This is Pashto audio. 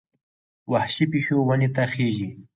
وحشي پیشو ونې ته خېژي.